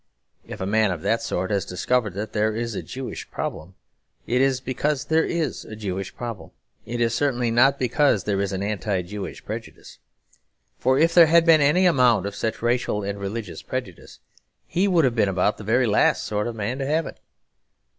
If a man of that sort has discovered that there is a Jewish problem, it is because there is a Jewish problem. It is certainly not because there is an Anti Jewish prejudice. For if there had been any amount of such racial and religious prejudice, he would have been about the very last sort of man to have it.